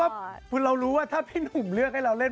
ไม่ก็เพราะว่ารู้ว่าถ้านุ่มเลือกให้เราเล่น